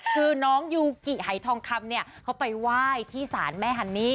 คือน้องยูกิหายทองคำเนี่ยเขาไปไหว้ที่ศาลแม่ฮันนี่